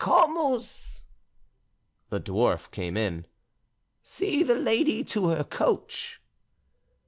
"Comus!" The dwarf came in. "See the lady to her coach."